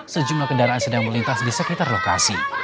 sejumlah kendaraan sedang melintas di sekitar lokasi